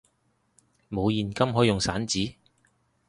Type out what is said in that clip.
冇現金可以用散紙！